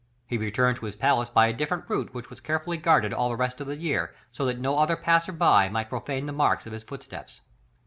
He returned to his palace by a different route which was carefully guarded all the rest of the year, so that no other passer by might profane the marks of his footsteps.